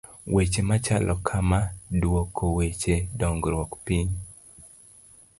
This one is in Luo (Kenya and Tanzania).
Weche machalo kama, duoko weche dongruok piny.